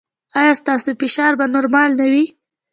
ایا ستاسو فشار به نورمال نه وي؟